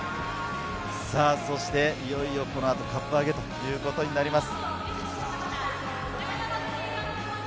そして、いよいよこの後カップ上げということになります。